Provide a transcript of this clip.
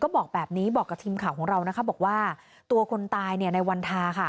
บอกแบบนี้บอกกับทีมข่าวของเรานะคะบอกว่าตัวคนตายในวันทาค่ะ